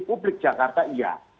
publik jakarta iya